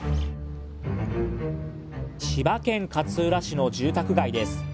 千葉県勝浦市の住宅街です。